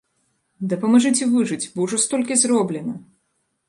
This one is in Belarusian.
Дапамажыце выжыць, бо ўжо столькі зроблена!